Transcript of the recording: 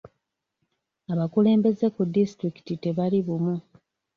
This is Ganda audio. Abakulembeze ku disitulikiti tebali bumu.